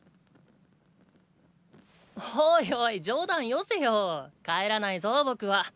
おいおい冗談よせよ帰らないぞ僕は。